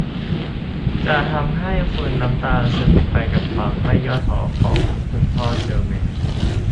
จะทำให้คุณน้ำตาซึมไปกับความไม่ย่อท้อของคุณพ่อเซลส์แมน